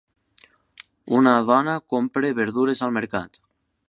Una dona compra verdures al mercat.